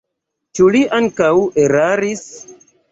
Ĉu li ankaŭ eraris?